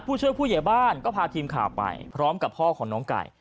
ผู้ช่วยผู้ใหญ่บ้านก็พาทีมข่าวไปพร้อมกับพ่อของน้องไก่